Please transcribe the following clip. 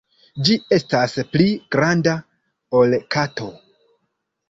Ĝi estas pli granda ol kato.